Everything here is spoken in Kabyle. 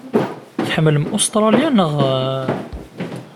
Tḥemmlem Ustṛalya, naɣ?